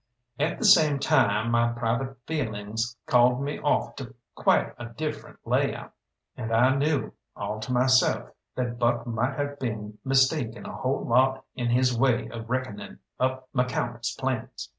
At the same time my private feelings called me off to quite a different lay out, and I knew, all to myself, that Buck might have been mistaken a whole lot in his way of reckoning up McCalmont's plans.